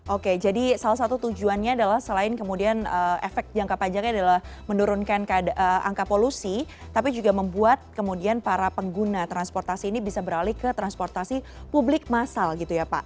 oke jadi salah satu tujuannya adalah selain kemudian efek jangka panjangnya adalah menurunkan angka polusi tapi juga membuat kemudian para pengguna transportasi ini bisa beralih ke transportasi publik masal gitu ya pak